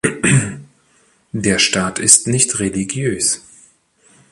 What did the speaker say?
Der Staat ist nicht religiös.